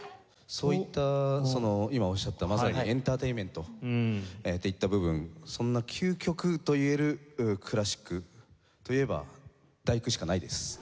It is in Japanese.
そういったその今おっしゃったまさにエンターテインメントといった部分そんな「究極」と言えるクラシックといえば『第九』しかないです。